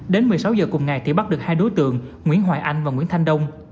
đến một mươi sáu giờ cùng ngày thì bắt được hai đối tượng nguyễn hoài anh và nguyễn thanh đông